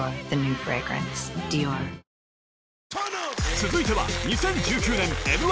続いては、２０１９年